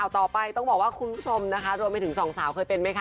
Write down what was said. ต่อไปต้องบอกว่าคุณผู้ชมนะคะรวมไปถึงสองสาวเคยเป็นไหมคะ